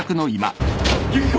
雪子！？